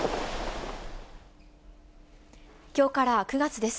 きょうから９月です。